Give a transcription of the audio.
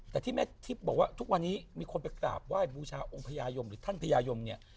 แต่ที่แม่ทิพย์บอกว่าทุกวันนี้มีคนไปกราบไหว้บูชาองค์พญายมหรือท่านพญายมเนี่ย